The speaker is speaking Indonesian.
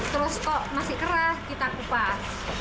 terus kok masih keras kita kupas